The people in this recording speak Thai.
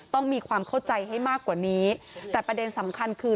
ต้องมีความเข้าใจให้มากกว่านี้แต่ประเด็นสำคัญคือ